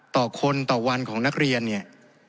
ต่อคนต่อวันของนักเรียนเนี่ย